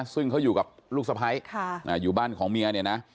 ซึ่งเขาอยู่กับลูกสะพ้ายอยู่บ้านของเมียเนี่ยนะ